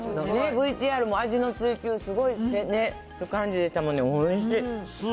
ＶＴＲも味の追求、すごいしててって感じでしたもんね、おいしい。